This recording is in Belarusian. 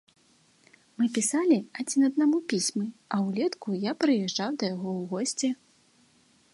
Мы пісалі адзін аднаму пісьмы, а ўлетку я прыязджаў да яго ў госці.